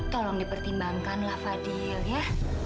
tolong dipertimbangkan lah fadil ya